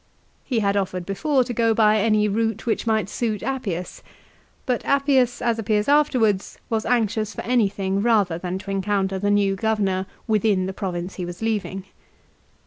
He had offered before to go by any route which might suit Appius, but Appius as appears afterwards was anxious for anything rather than to encounter the new Governor within the province he was leaving.